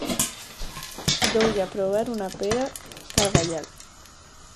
Deulle a probar unha pera carballal.